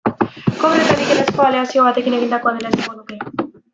Kobre eta nikelezko aleazio batekin egindakoa dela esango nuke.